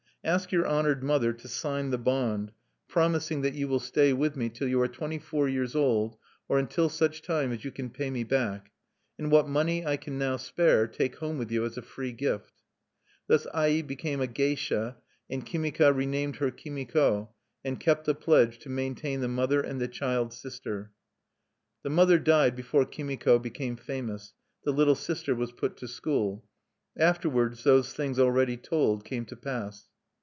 Ask your honored mother to sign the bond, promising that you will stay with me till you are twenty four years old, or until such time as you can pay me back. And what money I can now spare, take home with you as a free gift." Thus Ai became a geisha; and Kimika renamed her Kimiko, and kept the pledge to maintain the mother and the child sister. The mother died before Kimiko became famous; the little sister was put to school. Afterwards those things already told came to pass.